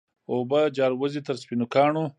اوبه جاروزي تر سپینو کاڼو